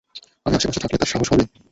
আমি আশেপাশে থাকলে তার সাহস হবে?